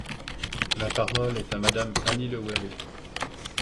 La parole est à Madame Annie Le Houerou.